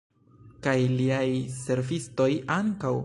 Kaj liaj servistoj ankaŭ?